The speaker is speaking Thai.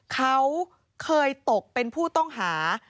เขาเคยตกเป็นผู้ต้องหา